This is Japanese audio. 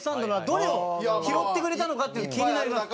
どれを拾ってくれたのかって気になります。